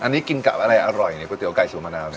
อันนี้กินกับอะไรอร่อยเนี่ยก๋วยเตี๋ยวไก่สูบมะนาวนี่